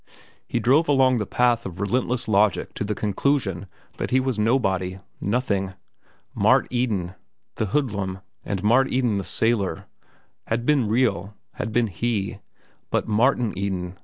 He drove along the path of relentless logic to the conclusion that he was nobody, nothing. Mart Eden, the hoodlum, and Mart Eden, the sailor, had been real, had been he; but Martin Eden!